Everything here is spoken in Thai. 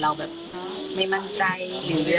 อยากให้สังคมรับรู้ด้วย